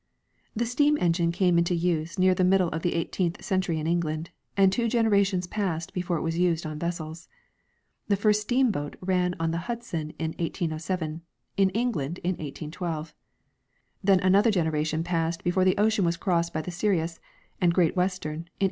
* The steam engine came into use near the middle of the eight eenth century in England, and two generations passed before it was used on vessels. The first steamboat ran on the Hudson in 1807, in England in 1812. Then another generation passed before the ocean was crossed by the Slriui and Greed Western in 1833.